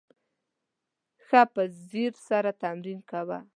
ښه په ځیر سره تمرین کوه !